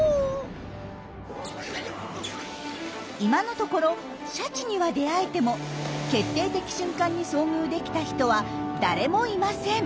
今のところシャチには出会えても決定的瞬間に遭遇できた人は誰もいません。